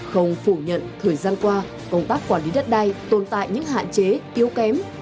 không phủ nhận thời gian qua công tác quản lý đất đai tồn tại những hạn chế yếu kém